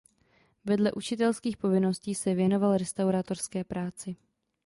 Vedle učitelských povinností se věnoval restaurátorské práci.